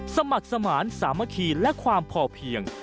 สมัครสมานสามัคคีและความพอเพียง